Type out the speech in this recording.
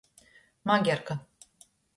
Magerka.